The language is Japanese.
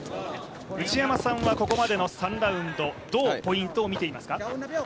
内山さんはここまでの３ラウンド、どうポイントを見ていますか。